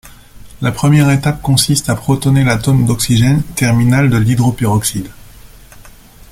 La première étape consiste à protoner l'atome d'oxygène terminal de l'hydroperoxyde.